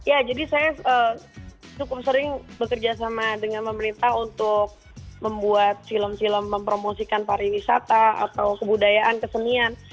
ya jadi saya cukup sering bekerja sama dengan pemerintah untuk membuat film film mempromosikan pariwisata atau kebudayaan kesenian